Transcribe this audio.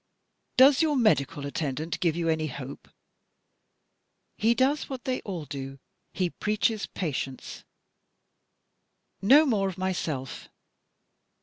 "Does your medical attendant give you any hope?" "He does what they all do he preaches patience. No more of myself!